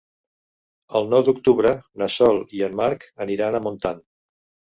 El nou d'octubre na Sol i en Marc aniran a Montant.